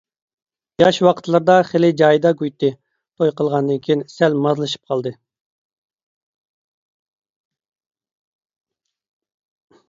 ياش ۋاقىتلىرىدا خېلى جايىدا گۇيتى، توي قىلغاندىن كېيىن سەل مازلىشىپ قالدى.